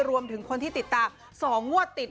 รวมถึงคนที่ติดตาม๒งวดติด